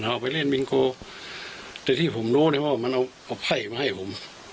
เอาไปเล่นมิงโกแต่ที่ผมรู้เนี่ยว่ามันเอาเอาไพ่มาให้ผม